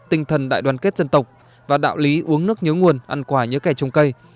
tinh thần đại đoàn kết dân tộc và đạo lý uống nước nhớ nguồn ăn quả nhớ kẻ trồng cây